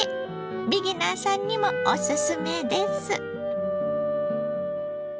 ビギナーさんにもオススメです。